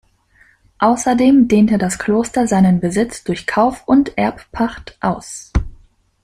Außerdem dehnte das Kloster seinen Besitz durch Kauf und Erbpacht aus.